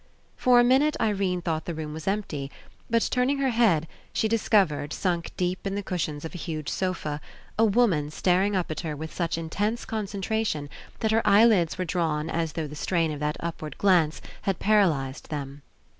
For a minute Irene thought the room was empty, but turning her head, she dis covered, sunk deep in the cushions of a huge sofa, a woman staring up at her with such in tense concentration that her eyelids were drawn as though the strain of that upward glance had 53 PASSING paralysed them.